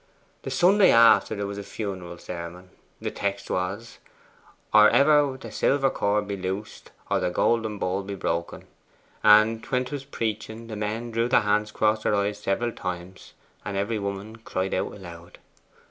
The Sunday after there was a funeral sermon: the text was, "Or ever the silver cord be loosed, or the golden bowl be broken;" and when 'twas preaching the men drew their hands across their eyes several times, and every woman cried out loud.